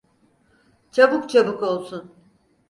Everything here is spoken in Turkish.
Çabuk çabuk olsun…